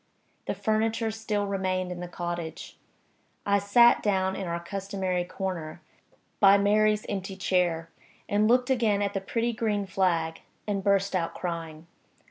The furniture still remained in the cottage. I sat down in our customary corner, by Mary's empty chair, and looked again at the pretty green flag, and burst out crying.